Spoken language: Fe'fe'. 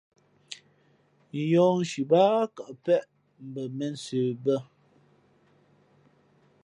Yɔ̌hnshi báá kαʼ péʼ mbα mēnsə bᾱ.